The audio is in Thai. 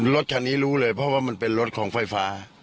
รถคันนี้รู้เลยเพราะว่ามันเป็นรถของไฟฟ้า